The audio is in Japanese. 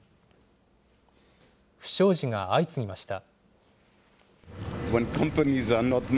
不祥事が相次ぎました。